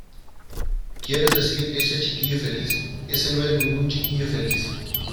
¿ Quieres decir ese chiquillo feliz? Ese no es ningún chiquillo feliz.